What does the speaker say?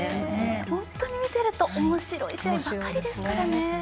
本当に見ているとおもしろい試合ばかりですからね。